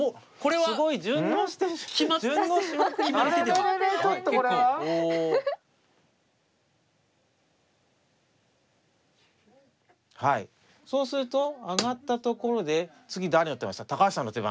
はいそうすると上がったところで次誰高橋さんの手番。